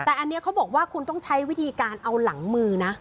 แต่อันนี้เขาบอกว่าคุณต้องใช้วิธีการเอาหลังมือนะ